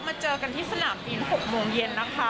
เจอกันที่สนามบิน๖โมงเย็นนะคะ